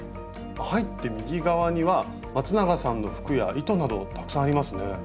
入って右側にはまつながさんの服や糸などたくさんありますね。